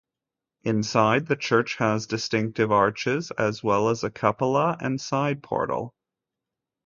Inside, the church has distinctive arches as well as a cupola and side portal.